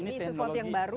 ini sesuatu yang baru